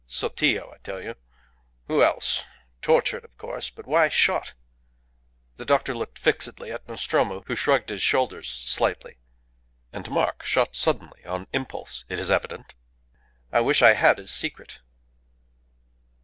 "Sotillo, I tell you. Who else? Tortured of course. But why shot?" The doctor looked fixedly at Nostromo, who shrugged his shoulders slightly. "And mark, shot suddenly, on impulse. It is evident. I wish I had his secret."